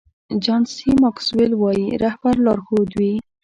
جان سي ماکسویل وایي رهبر لارښود وي.